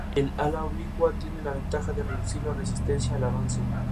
El trofeo consiste en una escultura modelada por el alfarero segoviano Ignacio Sanz.